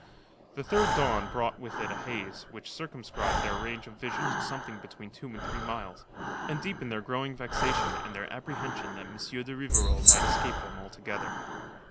The third dawn brought with it a haze which circumscribed their range of vision to something between two and three miles, and deepened their growing vexation and their apprehension that M. de Rivarol might escape them altogether.